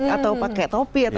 atau pakai topi atau